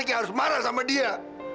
aku yang harus marah sama dia